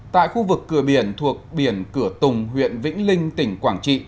tại khu vực cửa biển thuộc biển cửa tùng huyện vĩnh linh tỉnh quảng trị